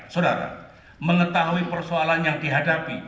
saudara mengetahui persoalan yang dihadapi